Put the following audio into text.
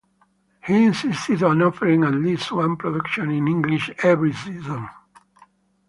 He insisted on offering at least one production in English every season.